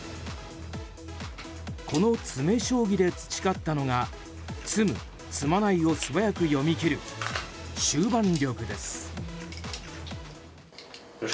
この詰将棋で培ったのが詰む、詰まないを素早く読み切る終盤力です。